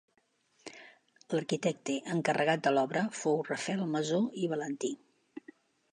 L'arquitecte encarregat de l'obra fou Rafael Masó i Valentí.